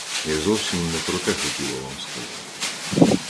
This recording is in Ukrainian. Я зовсім не про те хотіла вам сказати.